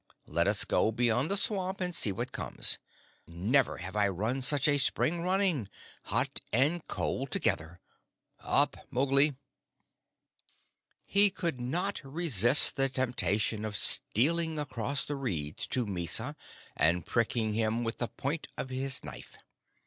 Let us go beyond the swamp, and see what comes. Never have I run such a spring running hot and cold together. Up, Mowgli!" He could not resist the temptation of stealing across the reeds to Mysa and pricking him with the point of his knife.